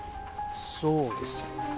そうですか。